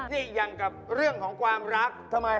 นี่อย่างกับเรื่องของความรักทำไม